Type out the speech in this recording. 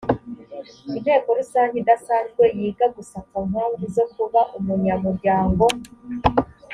inteko rusange idasanzwe yiga gusa ku mpamvu zo kuba umunyamuryango